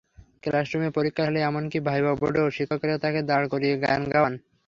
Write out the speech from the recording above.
ক্লাসরুমে, পরীক্ষার হলে, এমনকি ভাইভা বোর্ডেও শিক্ষকেরা তাঁকে দাঁড় করিয়ে গান গাওয়ান।